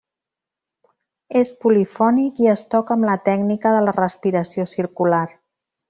És polifònic i es toca amb la tècnica de la respiració circular.